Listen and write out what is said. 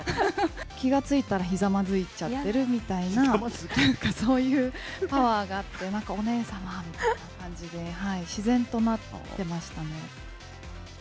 気が付いたらひざまずいちゃってるみたいな、なんかそういうパワーがあって、なんかお姉様みたいな感じで、自然となってましたね。